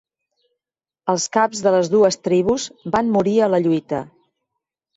Els caps de les dues tribus van morir a la lluita.